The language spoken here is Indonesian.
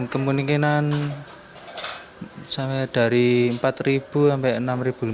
kemungkinan sampai dari rp empat sampai rp enam